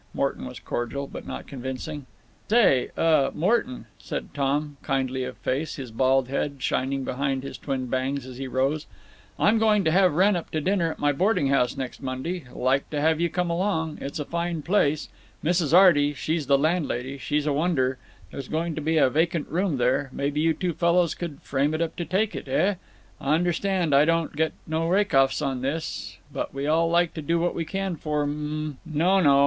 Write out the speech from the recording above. Morton was cordial, but not convincing. "Say—uh—Morton," said Tom, kindly of face, his bald head shining behind his twin bangs, as he rose, "I'm going to have Wrenn up to dinner at my boarding house next Monday. Like to have you come along. It's a fine place—Mrs. Arty—she's the landlady—she's a wonder. There's going to be a vacant room there—maybe you two fellows could frame it up to take it, heh? Understand, I don't get no rake off on this, but we all like to do what we can for M—" "No, no!"